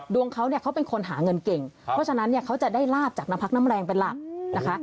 ดวงเขาเนี่ยเขาเป็นคนหาเงินเก่งเพราะฉะนั้นเนี่ยเขาจะได้ลาบจากน้ำพักน้ำแรงเป็นหลักนะคะ